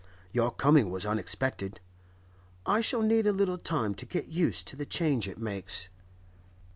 Your coming was unexpected; I shall need a little time to get used to the change it makes.